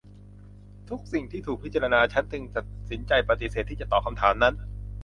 ทุกสิ่งที่ถูกพิจารณา ฉันจึงตัดสินใจปฏิเสธที่จะตอบคำถามนั้น